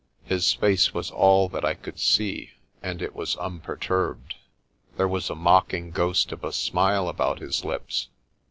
His face was all that I could see and it was unperturbed. There was a mocking ghost of a smile about his lips.